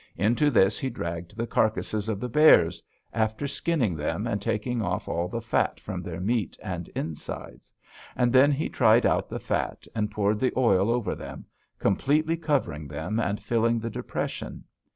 Into this he dragged the carcasses of the bears, after skinning them and taking off all the fat from their meat and insides, and then he tried out the fat and poured the oil over them, completely covering them and filling the depression.